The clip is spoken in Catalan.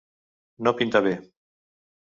No pinta bé.